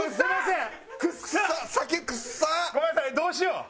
どうしよう。